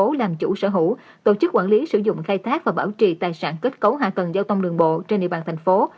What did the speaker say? ủy ban nhân dân tp hcm làm chủ sở hữu tổ chức quản lý sử dụng khai thác và bảo trì tài sản kết cấu hạ tầng giao thông đường bộ trên địa bàn thành phố